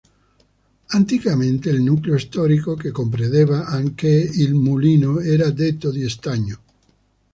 Anticamente il nucleo storico, che comprendeva anche il mulino, era detto di Stagno.